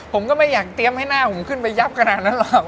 ผมก็ไม่อยากเตรียมให้หน้าผมขึ้นไปยับขนาดนั้นหรอก